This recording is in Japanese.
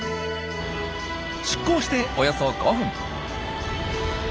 出港しておよそ５分。